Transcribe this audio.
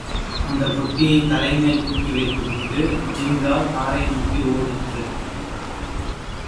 அந்தப் பெட்டியைத் தலைமேல் தூக்கி வைத்துக்கொண்டு ஜின்கா காரை நோக்கி ஓடிற்று.